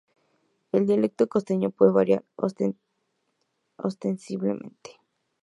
El dialecto costeño puede variar ostensiblemente.